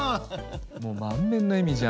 もう満面のえみじゃん。